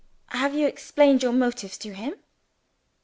"Have you explained your motives to him?"